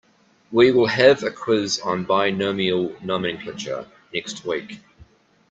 We will have a quiz on binomial nomenclature next week.